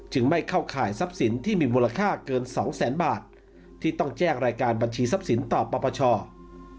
ไม่เข้าข่ายทรัพย์สินที่มีมูลค่าเกินสองแสนบาทที่ต้องแจ้งรายการบัญชีทรัพย์สินต่อปปช